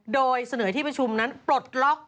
โดยเสนอที่ประชุมนั้นปลดล็อก